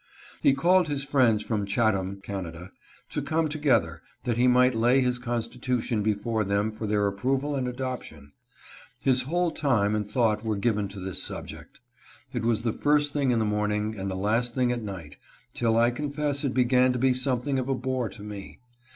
He called his friends from Chatham (Canada) to come together, that he might lay his constitution before them for their approval and adoption. His whole time and thought were given, to this subject. It was the first thing in the morning and the last thing at night, till I confess it began to be something of a bore to me.